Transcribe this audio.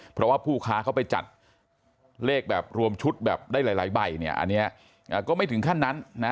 เพราะว่าผู้ค้าเขาไปจัดเลขแบบรวมชุดแบบได้หลายใบเนี่ยอันนี้ก็ไม่ถึงขั้นนั้นนะ